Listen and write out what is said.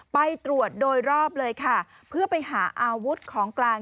ไปตรวจโดยรอบเลยค่ะเพื่อไปหาอาวุธของกลาง